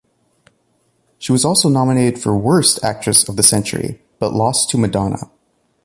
She was also nominated for Worst Actress of the Century, but lost to Madonna.